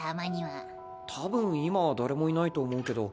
たぶん今は誰もいないと思うけど。